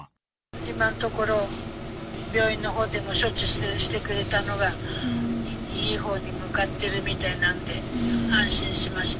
今のところ、病院のほうで処置してくれたのがいいほうに向かってるみたいなんで、安心しました。